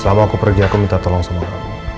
selama aku pergi aku minta tolong semua